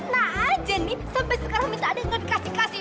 nah aja nih sampai sekarang minta adik gak dikasih kasih